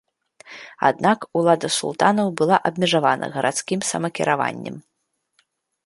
Аднак улада султанаў была абмежавана гарадскім самакіраваннем.